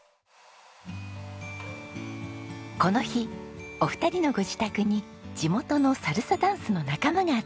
この日お二人のご自宅に地元のサルサダンスの仲間が集まりました。